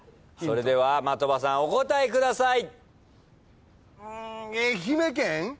それでは的場さんお答えください。